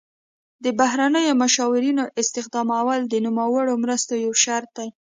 د بهرنیو مشاورینو استخدامول د نوموړو مرستو یو شرط دی.